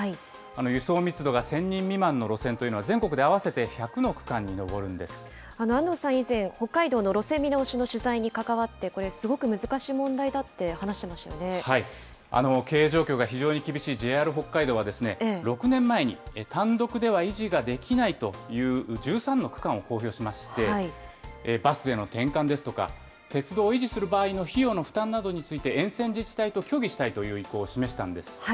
輸送密度が１０００人未満の路線というのは全国で合わせて１００安藤さん、以前、北海道の路線見直しの取材に関わって、これ、すごく難しい問題だって話してま経営状況が非常に厳しいＪＲ北海道は、６年前に、単独では維持ができないという１３の区間を公表しまして、バスへの転換ですとか、鉄道を維持する場合の費用の負担などについて、沿線自治体と協議したいという意向を示したんです。